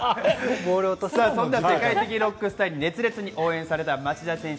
そんな世界的ロックスターに熱烈に応援された町田選手